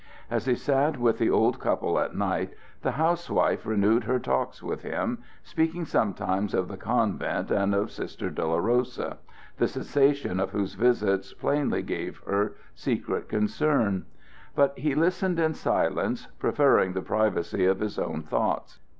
As he sat with the old couple at night the housewife renewed her talks with him, speaking sometimes of the convent and of Sister Dolorosa, the cessation of whose visits plainly gave her secret concern; but he listened in silence, preferring the privacy of his own thoughts.